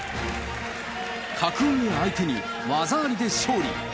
格上相手に技ありで勝利。